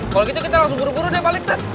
kalau gitu kita langsung buru buru deh balik deh